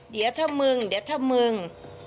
เดี๋ยวถ้ามึงเดี๋ยวถ้ามึง